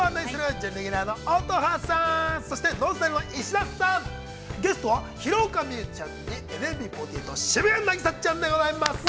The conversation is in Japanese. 準レギュラーの乙葉さん、そしてＮＯＮＳＴＹＬＥの石田さん、ゲストは廣岡実夢ちゃんに、ＮＭＢ４８の渋谷凪咲ちゃんでございます。